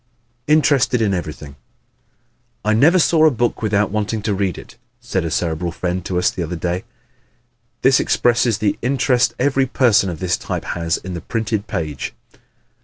Interested in Everything ¶ "I never saw a book without wanting to read it," said a Cerebral friend to us the other day. This expresses the interest every person of this type has in the printed page.